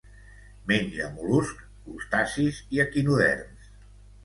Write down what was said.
Menja mol·luscs, crustacis i equinoderms.